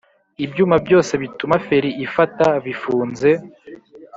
Ibyuma byose bituma feri ifata bifunze